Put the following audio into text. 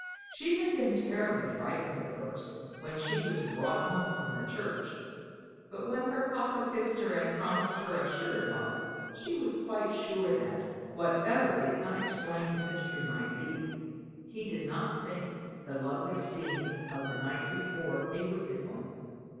She had been terribly frightened at first, when she was brought home from the church; but when her papa kissed her and promised her a sugar dog she was quite sure that, whatever the unexplained mystery might be, he did not think the lovely scene of the night before a wicked one.